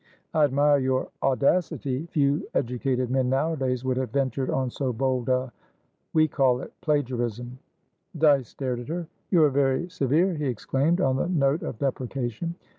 I admire your audacity. Few educated men, nowadays, would have ventured on so bold awe call it plagiarism." Dyce stared at her. "You are very severe," he exclaimed, on the note of deprecation.